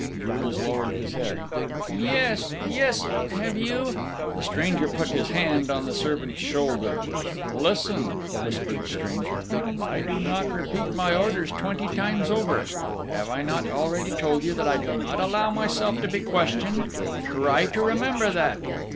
Jules lowered his head. "Yes ... yes.... Have you?..." The stranger put his hand on the servant's shoulder. "Listen," whispered the stranger, "I do not repeat my orders twenty times over,... have I not already told you that I do not allow myself to be questioned?... try to remember that!...